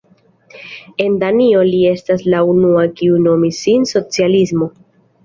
En Danio li estas la unua kiu nomis sin socialisto.